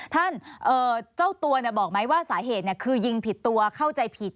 ท่านเจ้าตัวบอกไหมว่าสาเหตุคือยิงผิดตัวเข้าใจผิด